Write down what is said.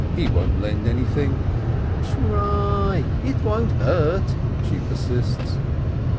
He won't lend anything !" "Try ! It won't hurt," she persists.